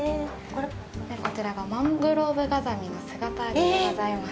こちらがマングローブガザミの姿揚げでございます。